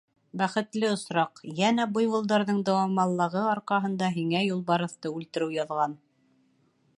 Бәхетле осраҡ... йәнә буйволдарҙың дыуамаллығы арҡаһында һиңә юлбарыҫты үлтереү яҙған.